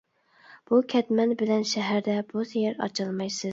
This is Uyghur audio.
بۇ كەتمەن بىلەن شەھەردە بوز يەر ئاچالمايسىز.